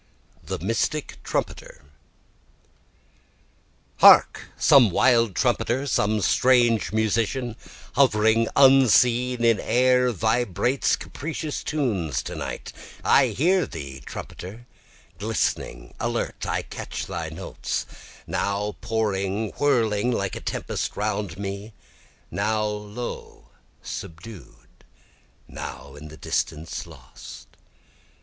The Mystic Trumpeter 1 Hark, some wild trumpeter, some strange musician, Hovering unseen in air, vibrates capricious tunes to night. I hear thee trumpeter, listening alert I catch thy notes, Now pouring, whirling like a tempest round me, Now low, subdued, now in the distance lost.